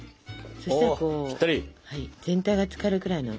そしたら全体がつかるくらいの。